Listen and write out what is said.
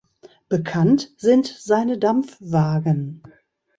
Bekannt sind seine Dampfwagen.